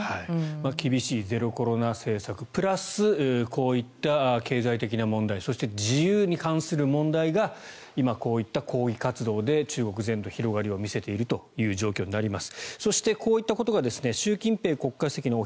厳しいゼロコロナ政策プラスこういった経済的な問題そして、自由に関する問題が今、こういった抗議活動で中国全土に広がりを見せているという状況になります。